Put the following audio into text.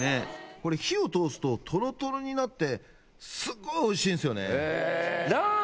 これ火を通すとトロトロになってすっごいおいしいんすよねえ